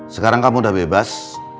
sekarang kamu udah bebas